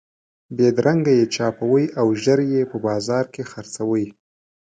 بېدرنګه یې چاپوئ او ژر یې په بازار کې خرڅوئ.